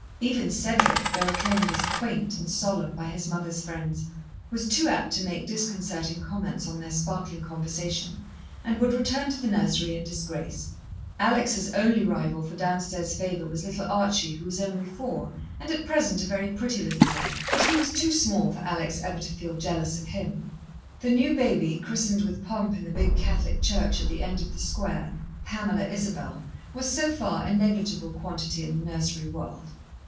Even Cedric, though acclaimed as "quaint" and "solemn" by his mother's friends, was too apt to make disconcerting comments on their sparkling conversation, and would return to the nursery in disgrace. Alex' only rival for downstairs' favour was little Archie, who was only four, and at present a very pretty little boy. But he was too small for Alex ever to feel jealous of him. The new baby, christened with pomp in the big Catholic Church at the end of the Square, Pamela Isabel, was, so far, a neglible quantity in the nursery world.